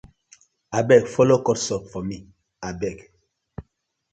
Abeg follo cut soap for mi abeg.